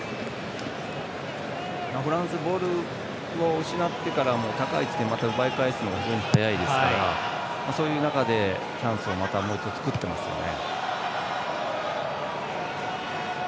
フランスボールを失ってからも高い位置で奪い返すのが非常に速いですからそういう中で、チャンスをまたもう一度作っていますよね。